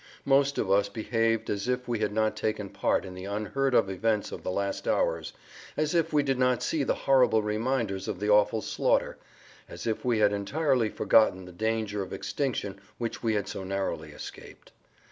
Most of us behaved as if we had not taken part in the unheard of events of the last hours, as if we did not see the horrible reminders of the awful slaughter, as if we had [Pg 50]entirely forgotten the danger of extinction which we had so narrowly escaped.